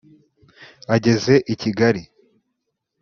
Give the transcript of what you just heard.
Ageze i Kigali